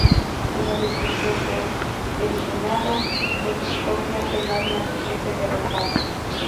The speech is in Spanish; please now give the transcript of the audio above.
Una vez que el jefe es eliminado, X copia el arma del jefe derrotado.